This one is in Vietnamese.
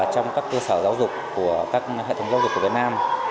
trong các cơ sở giáo dục của các hệ thống giáo dục của việt nam